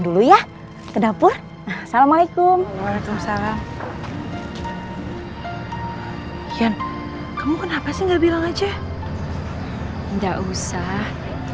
dulu ya ke dapur assalamualaikum waalaikumsalam kamu kenapa sih enggak bilang aja enggak usah